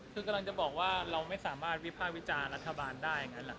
คือกำลังจะบอกว่าเราไม่สามารถวิภาควิจารณ์รัฐบาลได้อย่างนั้นแหละ